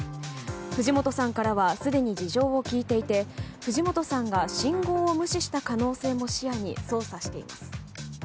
藤本さんからはすでに事情を聴いていて藤本さんが信号を無視した可能性も視野に捜査しています。